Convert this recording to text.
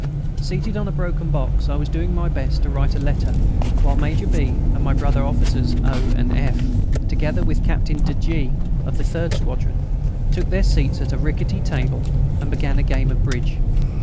Seated on a broken box, I was doing my best to write a letter, while Major B. and my brother officers O. and F., together with Captain de G., of the third squadron, took their seats at a rickety table and began a game of bridge.